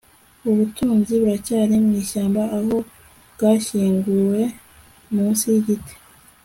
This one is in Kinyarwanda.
ubutunzi buracyari mwishyamba, aho bwashyinguwe munsi yigiti